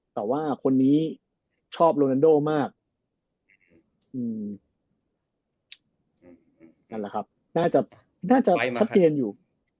แต่ว่าคนนี้ชอบโรนันโดมากอืมนั่นแหละครับน่าจะน่าจะชัดเจนอยู่